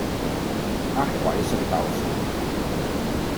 呃鬼食豆腐